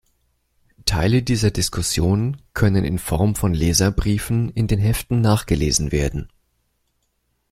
Teile dieser Diskussion können in Form von Leserbriefen in den Heften nachgelesen werden.